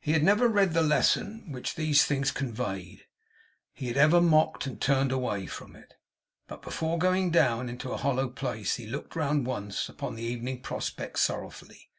He had never read the lesson which these things conveyed; he had ever mocked and turned away from it; but, before going down into a hollow place, he looked round, once, upon the evening prospect, sorrowfully.